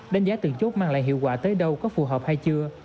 đánh giá từng chốt mang lại hiệu quả tới đâu có phù hợp hay chưa